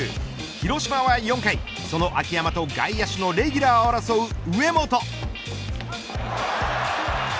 広島は４回その秋山と外野手のレギュラーを争う上本。